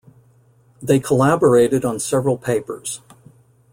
They collaborated on several papers.